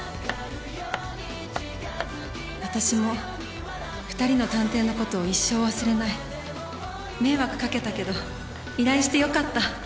「私も二人の探偵のこと一生忘れない」「迷惑かけたけど依頼して良かった」